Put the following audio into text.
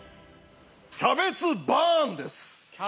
「キャベツバーン！！」。